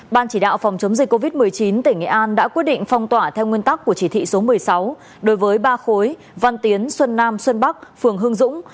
ban chỉ đạo phòng chống dịch covid một mươi chín tỉnh nghệ an đã quyết định phong tỏa theo nguyên tắc của chỉ thị số một mươi sáu đối với ba khối văn tiến xuân nam xuân bắc phường hương dũng